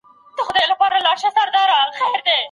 په لاس لیکلنه د مشرانو د درناوي ښودلو وسیله ده.